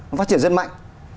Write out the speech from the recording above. nó phát triển rất mạnh